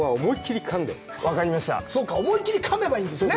思いっ切りかめばいいんですね。